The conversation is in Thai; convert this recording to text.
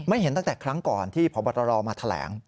เห็นตั้งแต่ครั้งก่อนที่พบตรมาแถลง